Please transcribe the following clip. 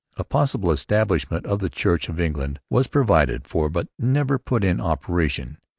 A possible establishment of the Church of England was provided for but never put in operation.